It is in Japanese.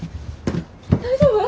大丈夫？